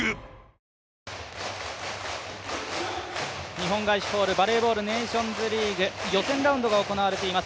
日本ガイシホールバレーボールネーションズリーグ予選ラウンドが行われています。